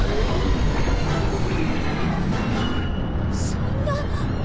そんな。